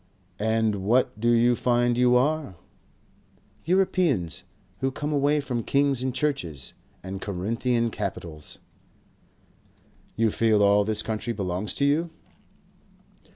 "And what do you find you are?" "Europeans. Who came away from kings and churches @ and Corinthian capitals." "You feel all this country belongs to you?"